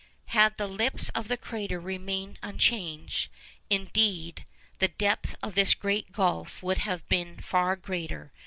Had the lips of the crater remained unchanged, indeed, the depth of this great gulf would have been far greater.